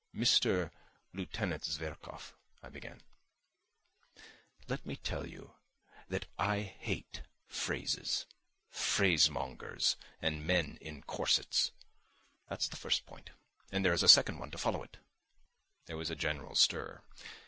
"Mr. Lieutenant Zverkov," I began, "let me tell you that I hate phrases, phrasemongers and men in corsets ... that's the first point, and there is a second one to follow it." There was a general stir.